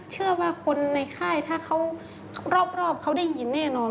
เชื่อว่าคนในค่ายถ้าเขารอบเขาได้ยินแน่นอน